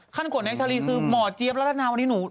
กฎแน็กชาลีคือหมอเจี๊ยบรัฐนาวันนี้หนู